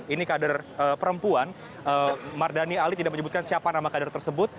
ini kader perempuan mardani ali tidak menyebutkan siapa nama kader tersebut